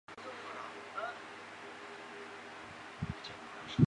黄猄草为爵床科马蓝属的植物。